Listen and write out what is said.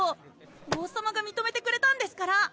王さまがみとめてくれたんですから